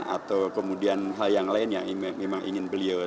atau kemudian hal yang lain yang memang ingin beliau